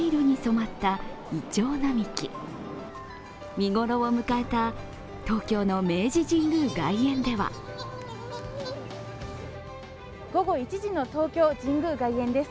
見頃を迎えた東京の明治神宮外苑では午後１時の東京・神宮外苑です。